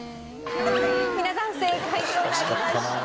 皆さん不正解となりました。